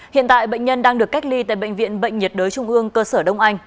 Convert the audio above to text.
hiện tại bệnh nhân đang được cách ly tại bệnh viện bệnh nhiệt đới trung ương cơ sở đông anh